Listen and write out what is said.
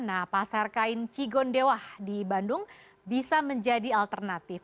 nah pasar kain cigondewa di bandung bisa menjadi alternatif